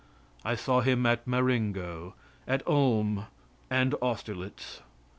I saw him at Marengo at Ulm and Austerlitz.